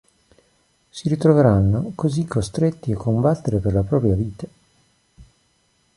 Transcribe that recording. Si ritroveranno così costretti a combattere per la propria vita.